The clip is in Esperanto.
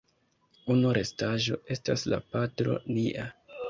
Unu restaĵo estas la "Patro nia".